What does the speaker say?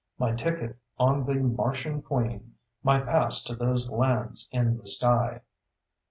My ticket on the Martian Queen. My pass to those lands in the sky.